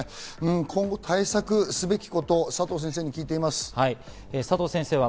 今後、対策すべきことを佐藤先生に聞いています。